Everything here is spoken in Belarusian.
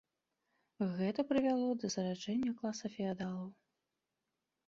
Гэта прывяло да зараджэння класа феадалаў.